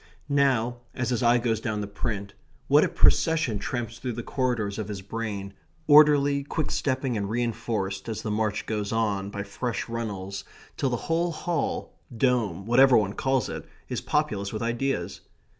Now, as his eye goes down the print, what a procession tramps through the corridors of his brain, orderly, quick stepping, and reinforced, as the march goes on, by fresh runnels, till the whole hall, dome, whatever one calls it, is populous with ideas.